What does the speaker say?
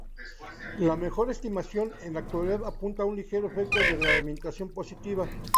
La mejor estimación en la actualidad apunta a un ligero efecto de realimentación positiva.